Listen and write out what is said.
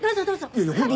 いやいや本当